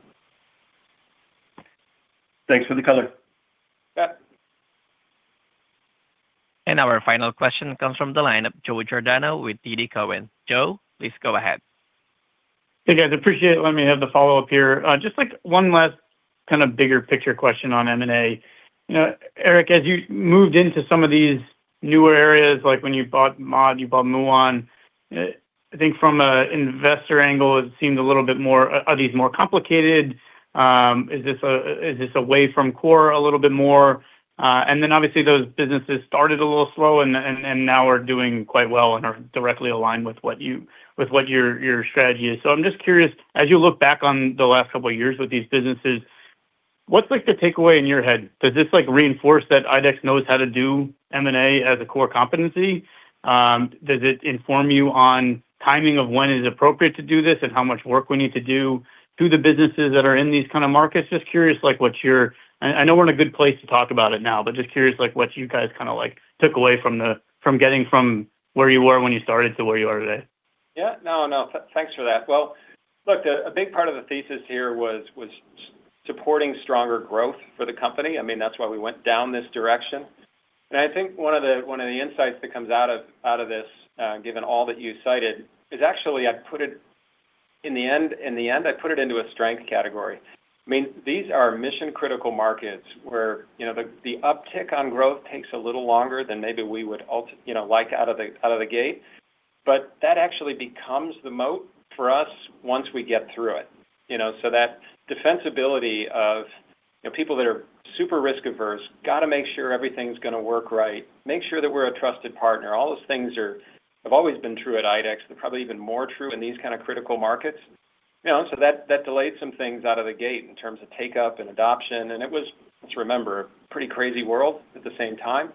Thanks for the color. Yeah. Our final question comes from the line of Joe Giordano with TD Cowen. Joe, please go ahead. Hey, guys, appreciate letting me have the follow-up here. Just like one last kind of bigger picture question on M&A. You know, Eric, as you moved into some of these newer areas, like when you bought Mott, you bought Muon. I think from an investor angle, it seemed a little bit more. Are these more complicated? Is this away from core a little bit more? Obviously those businesses started a little slow and now are doing quite well and are directly aligned with what your strategy is. I'm just curious, as you look back on the last couple of years with these businesses, what's like the takeaway in your head? Does this like reinforce that IDEX knows how to do M&A as a core competency? Does it inform you on timing of when is appropriate to do this and how much work we need to do through the businesses that are in these kind of markets? Just curious, like, I know we're in a good place to talk about it now, but just curious, like, what you guys kinda, like, took away from getting from where you were when you started to where you are today. Yeah, no. Thanks for that. Well, look, a big part of the thesis here was supporting stronger growth for the company. I mean, that's why we went down this direction. I think one of the insights that comes out of this, given all that you cited, is actually I put it in the end, I put it into a strength category. I mean, these are mission-critical markets where, you know, the uptick on growth takes a little longer than maybe we would, you know, like out of the gate. That actually becomes the moat for us once we get through it. You know, that defensibility of, you know, people that are super risk-averse, gotta make sure everything's gonna work right, make sure that we're a trusted partner. All those things have always been true at IDEX. They're probably even more true in these kind of critical markets. You know, that delayed some things out of the gate in terms of take-up and adoption. It was, let's remember, a pretty crazy world at the same time.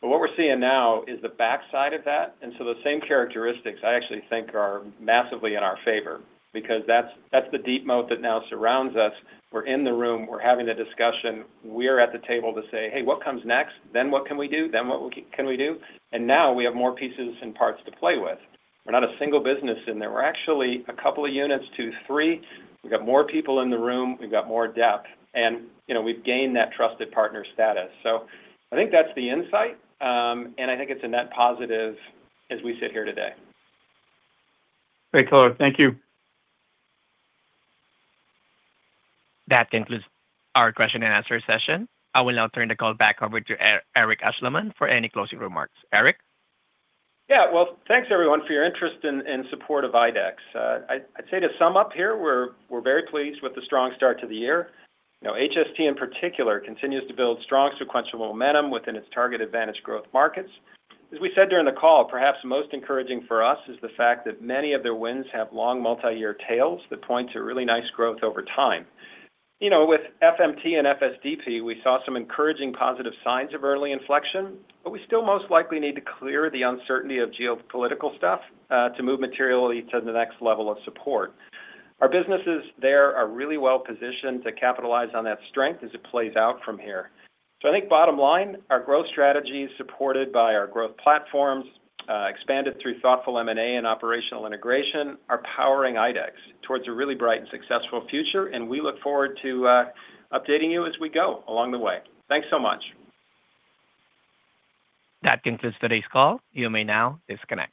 What we're seeing now is the backside of that. Those same characteristics, I actually think are massively in our favor because that's the deep moat that now surrounds us. We're in the room, we're having the discussion. We're at the table to say, "Hey, what comes next? What can we do? What can we do?" Now we have more pieces and parts to play with. We're not a single business in there. We're actually a couple of units to three. We've got more people in the room. We've got more depth and, you know, we've gained that trusted partner status. I think that's the insight, and I think it's a net positive as we sit here today. Great color. Thank you. That concludes our question and answer session. I will now turn the call back over to Eric Ashleman for any closing remarks. Eric? Well, thanks everyone for your interest in support of IDEX. I'd say to sum up here, we're very pleased with the strong start to the year. You know, HST in particular continues to build strong sequential momentum within its target advantage growth markets. As we said during the call, perhaps most encouraging for us is the fact that many of their wins have long multi-year tails that point to really nice growth over time. You know, with FMT and FSDP, we saw some encouraging positive signs of early inflection, but we still most likely need to clear the uncertainty of geopolitical stuff to move materially to the next level of support. Our businesses there are really well positioned to capitalize on that strength as it plays out from here. I think bottom line, our growth strategy is supported by our growth platforms, expanded through thoughtful M&A and operational integration, are powering IDEX towards a really bright and successful future, and we look forward to updating you as we go along the way. Thanks so much. That concludes today's call. You may now disconnect.